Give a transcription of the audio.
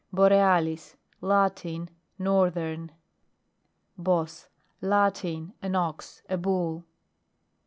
BOREALIS. Latin. Northern. Bos. Latin. An ox, a bull.